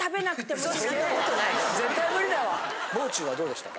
もう中はどうでしたか？